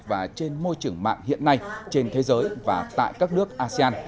và trên môi trường mạng hiện nay trên thế giới và tại các nước asean